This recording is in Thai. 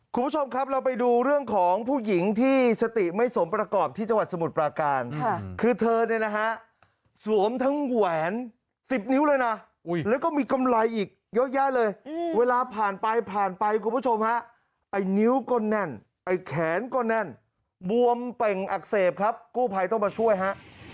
คุณผู้ชมครับเราไปดูเรื่องของผู้หญิงที่สติไม่สมประกอบที่จังหวัดสมุทรปราการคือเธอเนี่ยนะฮะสวมทั้งแหวน๑๐นิ้วเลยนะแล้วก็มีกำไรอีกเยอะแยะเลยเวลาผ่านไปผ่านไปคุณผู้ชมฮะไอ้นิ้วก็แน่นไอ้แขนก็แน่นบวมเป่งอักเสบครับกู้ภัยต้องมาช่วยฮะ